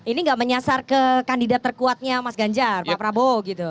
ini nggak menyasar ke kandidat terkuatnya mas ganjar pak prabowo gitu